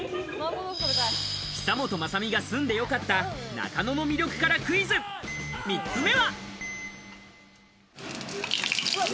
久本雅美が住んで良かった中野の魅力からクイズ、３つ目は。